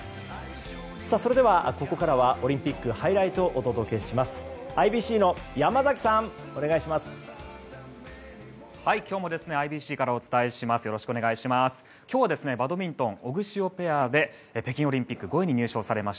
それでは、ここからはオリンピックハイライトをお届けします。